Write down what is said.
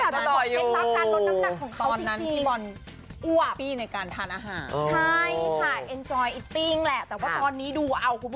ตอนนั้นพี่บอลอ๊ะปี้ในการทานอาหาร